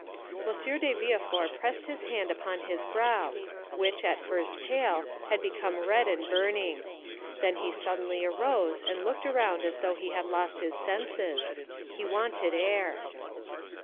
M. de Villefort pressed his hand upon his brow, which, at first pale, had become red and burning; then he suddenly arose and looked around as though he had lost his senses—he wanted air.